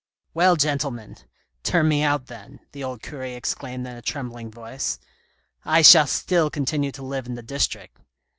" Well, gentlemen, turn me out then," the old cure exclaimed in a trembling voice ;" I shall still continue to live in the district.